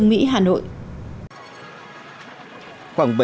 nguyễn trương mỹ hà nội